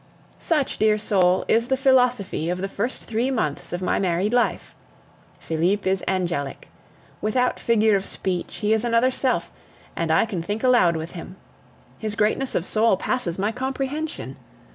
Such, dear soul, is the philosophy of the first three months of my married life. Felipe is angelic. Without figure of speech, he is another self, and I can think aloud with him. His greatness of soul passes my comprehension.